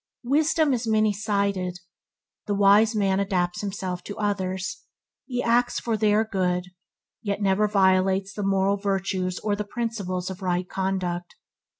Wisdom is many sided. The wise man adapts himself to others. He acts for their good, yet never violates the moral virtues or the principles of right conduct.